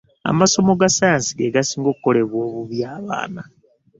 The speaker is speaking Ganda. Amasomo ga sayansi ge gasinga okukolebwa obubi abaana.